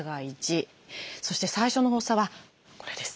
そして最初の発作はこれです。